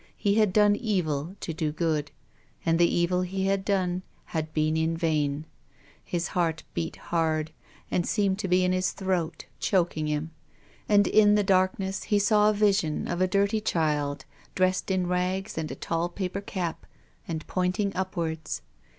He had done evil to do good, and the evil he had done had been in vain. His heart beat hard, and seemed to be in his throat choking him. And in the darkness he saw a vision of a dirty child, dressed in rags and a tall paper cap, and pointing upwards.